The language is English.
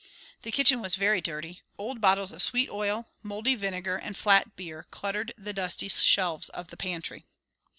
The kitchen was very dirty; old bottles of sweet oil, mouldy vinegar and flat beer cluttered the dusty shelves of the pantry.